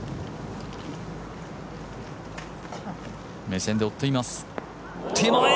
目線で追っています手前！